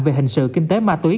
về hình sự kinh tế ma túy